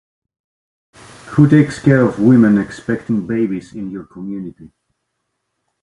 Who takes care of women expecting babies in your community?